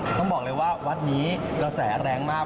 ต้องบอกเลยว่าวัดนี้กระแสแรงมาก